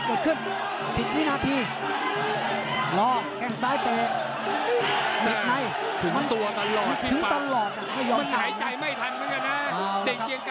ต้องไปรุ่นกันยกสุดท้ายนะครับซ้ายทางเรียบ